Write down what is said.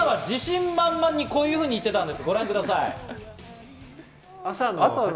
この方は自信満々にこういうふうに言っていたんです。